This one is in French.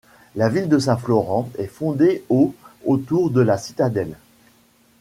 La ville de Saint-Florent est fondée au autour de la citadelle.